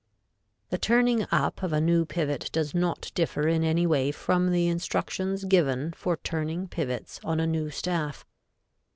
The turning up of a new pivot does not differ in any way from the instructions given for turning pivots on a new staff.